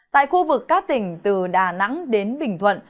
tại khu vực các tỉnh từ đà nẵng đến bình thuận